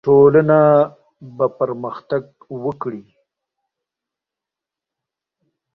ټولنه به پرمختګ وکړي.